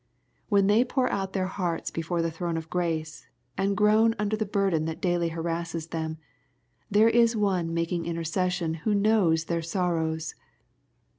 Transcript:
When they ix)iLr out their hearts before the throne of grace, and groan under the burden that daily harasses them, there is One making intercession who knows their sorrows.